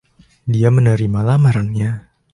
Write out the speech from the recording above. Dia menerima lamarannya.